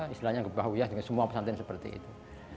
istilahnya ngebahu ya dengan semua pesantren seperti itu